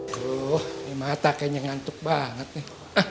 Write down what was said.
aduh ini mata kayaknya ngantuk banget nih